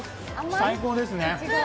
最高ですね。